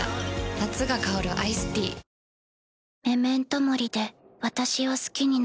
夏が香るアイスティーあっつ。